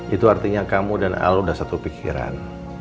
itu artinya kamu dan al sudah satu pikiran